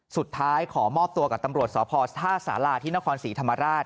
สุดท้ายขอมอบตัวกับตำลวดสภท่าสาลาที่นครศรีธรรมราช